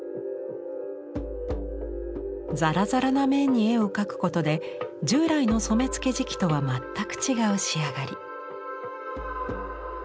ザラザラな面に絵を描くことで従来の染付磁器とは全く違う仕上がり。